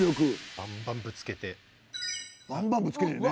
バンバンぶつけてるね。